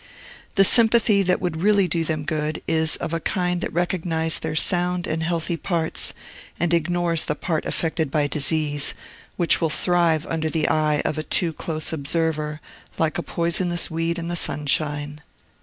The sympathy that would really do them good is of a kind that recognizes their sound and healthy parts, and ignores the part affected by disease, which will thrive under the eye of a too close observer like a poisonous weed in the sunshine.